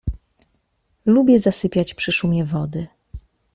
Lubię zasypiać przy szumie wody.